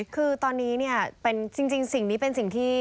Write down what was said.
คือตอนนี้เนี่ยจริงสิ่งนี้เป็นสิ่งที่